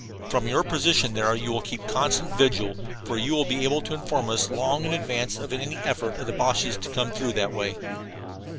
From your position there you will keep constant vigil, for you will be able to inform us long in advance of any effort of the Boches to come through that way.